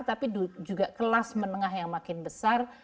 tapi juga kelas menengah yang makin besar